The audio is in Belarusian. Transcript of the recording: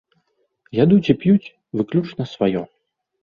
Ядуць і п'юць выключна сваё.